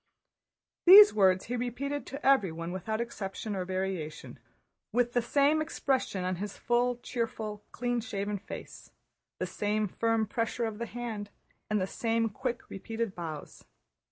These words he repeated to everyone without exception or variation, and with the same expression on his full, cheerful, clean shaven face, the same firm pressure of the hand and the same quick, repeated bows.